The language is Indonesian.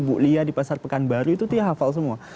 buklia di pasar pekanbaru itu dia hafal semua